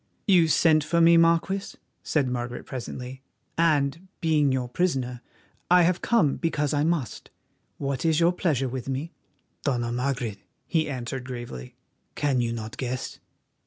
"You sent for me, Marquis," said Margaret presently, "and, being your prisoner, I have come because I must. What is your pleasure with me?" "Dona Margaret," he answered gravely, "can you not guess?